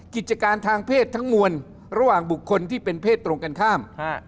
กิจการทางเพศทั้งมวลระหว่างบุคคลที่เป็นเพศตรงกันข้าม